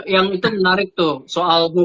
yang itu menarik tuh soal buku